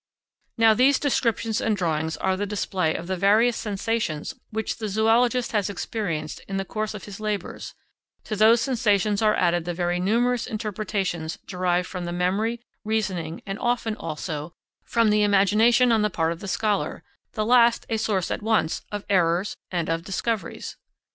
Now, these descriptions and drawings are the display of the various sensations which the zoologist has experienced in the course of his labours; to those sensations are added the very numerous interpretations derived from the memory, reasoning, and often, also, from the imagination on the part of the scholar, the last a source at once of errors and of discoveries.